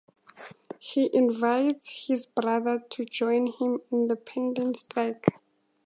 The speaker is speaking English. He invites his brother to join him in the pending strike.